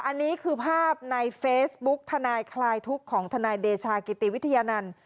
อันนี้คือภาพในเฟซบุ๊กทนายคลายทุกข์ของทนายเดชากิติวิทยานันต์